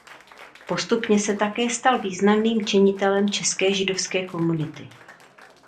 Postupně se také stal význačným činitelem české židovské komunity.